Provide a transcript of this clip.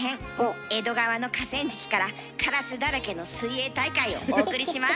江戸川の河川敷からカラスだらけの水泳大会をお送りします。